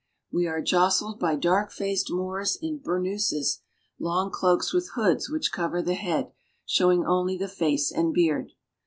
We are jostled by dark faced Moors in burnouses, long cloaks with hoods which cover the head, showing only the face and beard.